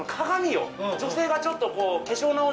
女性がちょっと。